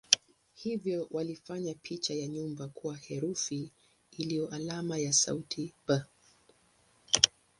Hivyo walifanya picha ya nyumba kuwa herufi iliyo alama ya sauti "b".